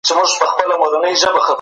د قانون موخه څنګه روښانه کیږي؟